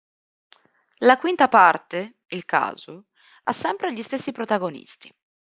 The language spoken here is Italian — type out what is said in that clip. La quinta parte "Il caso" ha sempre gli stessi protagonisti.